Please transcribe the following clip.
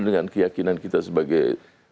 dengan keyakinan kita sebagai